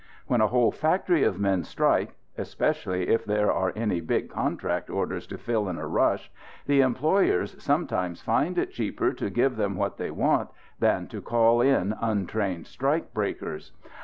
When a whole factory of men strike especially if there are any big contract orders to fill in a rush the employers sometimes find it cheaper to give them what they want than to call in untrained strikebreakers.